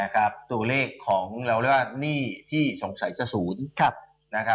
ตัวเลขของเลือดหนี้ที่สงสัยจะศูนย์